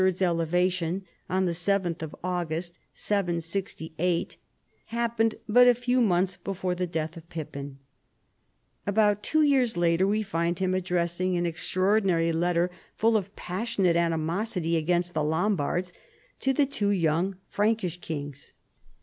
's elevation (7th August, 768) happened but a few months before the death of Pippin, About two years after, we find him addressing an extraor dinary letter full of passionate animosity against the Lombards, to the two 3'oung Frankish kings.